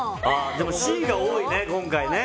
でもＣが多いね、今回ね。